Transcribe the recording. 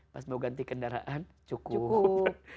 pas mau ganti kendaraan cukup